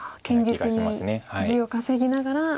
堅実に地を稼ぎながら。